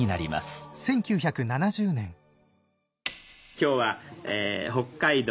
今日は北海道